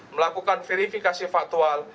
melakukan verifikasi faktual